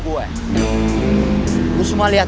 kau lo tuh masih sakit